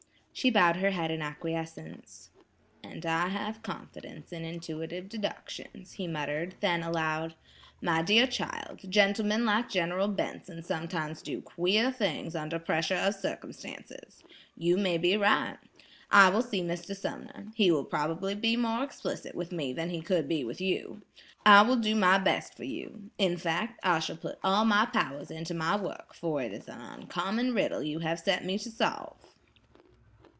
She bowed her head in acquiescence. "And I have confidence in intuitive deductions," he muttered; then, aloud, "My dear child, gentlemen like General Benson sometimes do queer things under pressure of circumstances. You may be right. I will see Mr. Sumner; he will probably be more explicit with me than he could be with you. I will do my best for you. In fact, I shall put all my powers into my work, for it is an uncommon riddle you have set me to solve."